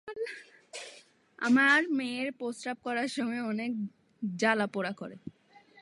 আমার মেয়ের প্রস্রাব করার সময় অনেক জ্বালাপোড়া করে।